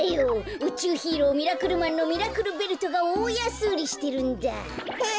うちゅうヒーローミラクルマンのミラクルベルトがおおやすうりしてるんだ。え！